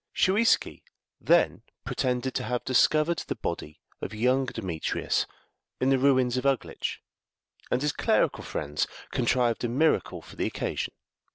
Shuiski then pretended to have discovered the body of young Demetrius in the ruins of Uglitch, and his clerical friends contrived a miracle for the occasion.